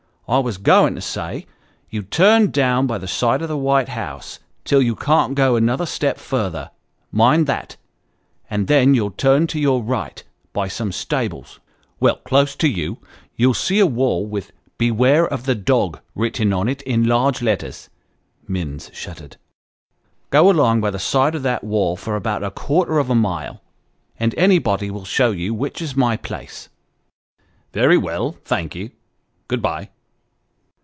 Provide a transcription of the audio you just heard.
I was going to say you turn down by the side of the white house till you can't go another step further mind that ! and then you turn to your right, by some stables well ; close to you, you'll see a wall with ' Beware of the Dog ' written on it in large letters (Minns shuddered) go along by the side of that wall for about a quarter of a mile and anybody will show you which is my place." ' Very well thank ye good bye."